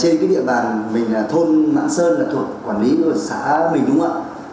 trên cái địa bàn mình là thôn mạng sơn là thuộc quản lý của xã mình đúng không ạ